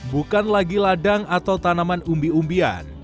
bukan lagi ladang atau tanaman umbi umbian